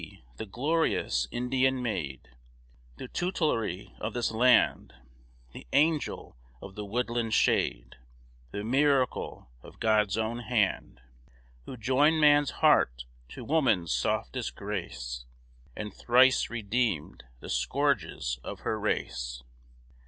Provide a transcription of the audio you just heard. the glorious Indian maid, The tutelary of this land, The angel of the woodland shade, The miracle of God's own hand, Who joined man's heart to woman's softest grace, And thrice redeemed the scourges of her race.